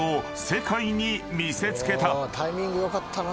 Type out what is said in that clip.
タイミング良かったな。